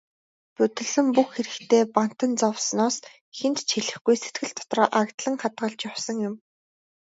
Будилсан бүх хэрэгтээ бантан зовсноос хэнд ч хэлэхгүй, сэтгэл дотроо агдлан хадгалж явсан юм.